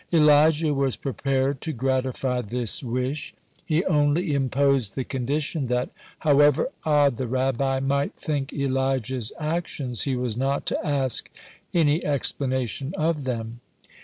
Elijah was prepared to gratify this wish. He only imposed the condition, that, however odd the Rabbi might think Elijah's actions, he was not to ask any explanation of them.